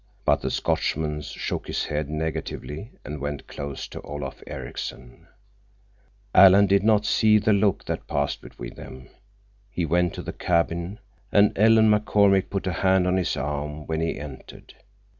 But the Scotchman shook his head negatively and went close to Olaf Ericksen. Alan did not see the look that passed between them. He went to the cabin, and Ellen McCormick put a hand on his arm when he entered.